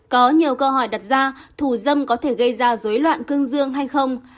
có nhiều câu hỏi đặt ra thủ dâm có thể gây ra dối luận cương dương hay không